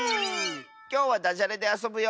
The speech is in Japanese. きょうはだじゃれであそぶよ！